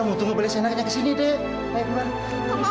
sita mau beluk mama